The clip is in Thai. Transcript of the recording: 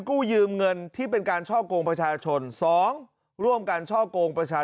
กู้ยืมเงินที่เป็นการช่อกโกงประชาชน๒ร่วมการช่อกโกงประชา